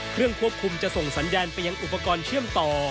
เครื่องควบคุมจะส่งสัญญาณไปยังอุปกรณ์เชื่อมต่อ